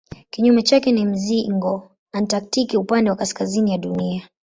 Kinyume chake ni mzingo antaktiki upande wa kaskazini ya Dunia.